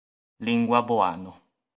Lingua boano